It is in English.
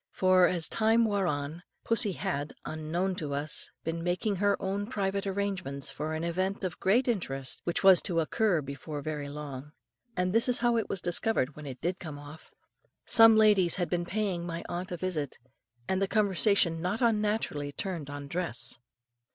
For, as time wore on, pussy had, unknown to us, been making her own private arrangements for an event of great interest which was to occur before very long. And this is how it was discovered when it did come off. Some ladies had been paying my aunt a visit, and the conversation not unnaturally turned on dress.